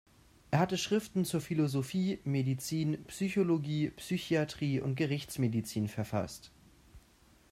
Er hatte Schriften zur Philosophie, Medizin, Psychologie, Psychiatrie und Gerichtsmedizin verfasst.